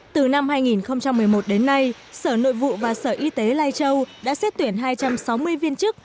từ năm hai nghìn một mươi một đến nay sở nội vụ và sở y tế lai châu đã xét tuyển hai trăm sáu mươi viên chức